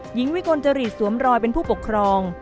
วิกลจริตสวมรอยเป็นผู้ปกครอง